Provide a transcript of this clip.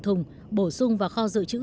thùng bổ sung vào kho dự trữ